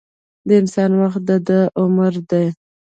د انسان وخت دده عمر دی.